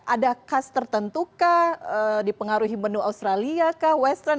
ada khas tertentu kah dipengaruhi menu australia kah western